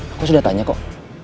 aku sudah tanya kok